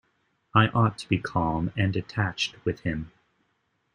I ought to be calm and detached with him.